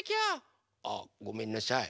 あごめんなさい。